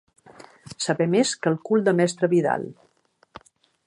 Saber més que el cul de mestre Vidal.